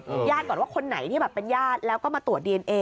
หายาดก่อนว่าคนไหนที่เป็นยาดแล้วก็มาตรวจดีเอนเอ